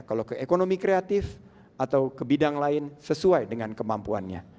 kalau ke ekonomi kreatif atau ke bidang lain sesuai dengan kemampuannya